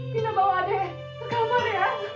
bina bawa adek ke kamar ya